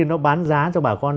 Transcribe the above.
nó bán giá cho bà con